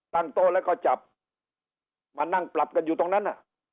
ตั้งโต๊ะแล้วก็จับมานั่งปรับกันอยู่ตรงนั้น